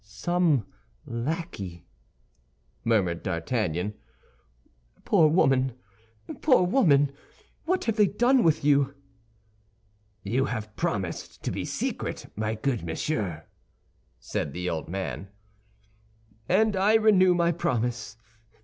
"Some lackey," murmured D'Artagnan. "Poor woman, poor woman, what have they done with you?" "You have promised to be secret, my good monsieur?" said the old man. "And I renew my promise.